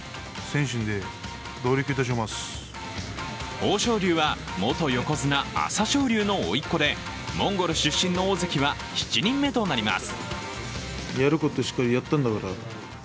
豊昇龍は、元横綱朝青龍のおいっ子でモンゴル出身の大関は７人目となります。